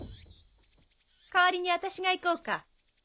代わりに私が行こうか？